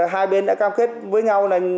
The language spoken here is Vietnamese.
hai bên đã cam kết với nhau